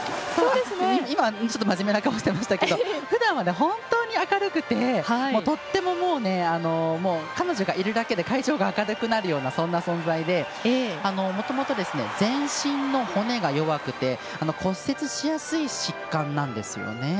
今、ちょっと真面目な顔してましたけどふだんは、本当に明るくてとっても彼女がいるだけで会場が明るくなるようなそんな存在でもともと全身の骨が弱くて骨折しやすい疾患なんですよね。